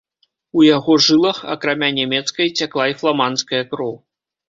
У яго жылах, акрамя нямецкай, цякла і фламандская кроў.